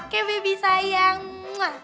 oke bebi sayang